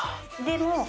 でも。